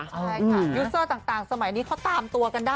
ใช่ค่ะยูเซอร์ต่างสมัยนี้เขาตามตัวกันได้